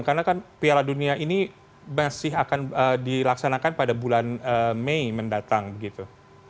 karena kan piala dunia ini masih akan dilaksanakan pada bulan mei mendatang gitu